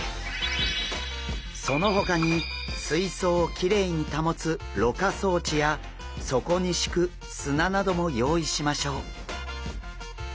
そのほかに水槽をきれいに保つ「ろ過装置」や底に敷く砂なども用意しましょう。